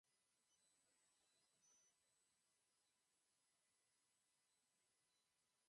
Show-eko webgunean dago eskuragarri.